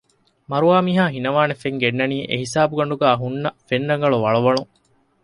މަރުވާ މީހާ ހިނަވާނެ ފެން ގެންނަނީ އެހިސާބުގަނޑެއްގައި ހުންނަ ފެން ރަނގަޅު ވަޅުވަޅުން